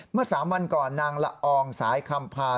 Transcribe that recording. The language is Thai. เมื่อ๓วันก่อนนางละอองสายคำพา